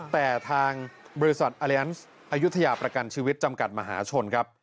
แต่ทางบริษัทอเลันซ์อายุทยาประกันชีวิตจำกัดมหาชนครับ